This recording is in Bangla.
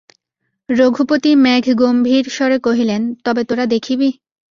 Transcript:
রঘুপতি মেঘগম্ভীর স্বরে কহিলেন, তবে তোরা দেখিবি!